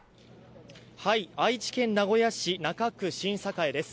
愛知県名古屋市中区新栄です。